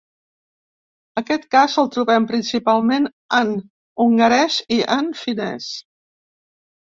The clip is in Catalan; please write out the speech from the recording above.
Aquest cas el trobem principalment en hongarès i en finès.